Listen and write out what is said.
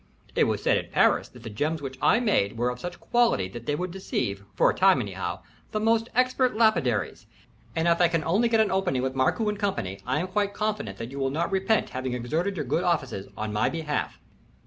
It was said in Paris that the gems which I made were of such quality that they would deceive, for a time anyhow, the most expert lapidaries, and if I can only get an opening with Markoo & Co. I am quite confident that you will not repent having exerted your good offices in my behalf."